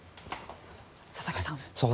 佐々木さん。